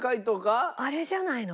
あれじゃないの？